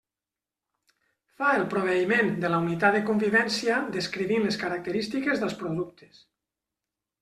Fa el proveïment de la unitat de convivència descrivint les característiques dels productes.